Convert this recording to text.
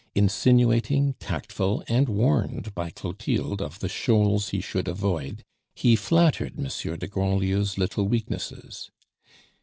Insinuating, tactful, and warned by Clotilde of the shoals he should avoid, he flattered Monsieur de Grandlieu's little weaknesses.